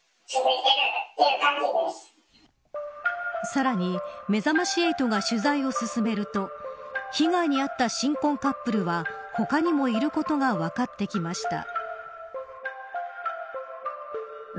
さらにめざまし８が取材を進めると被害にあった新婚カップルは他にもいることが分かってきました。